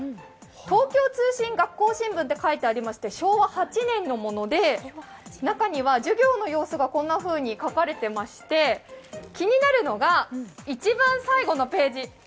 東京通信学校新聞と書いてありまして昭和８年のもので、中には授業の様子がこんなふうに書かれてまして、気になるのが一番最後のページ。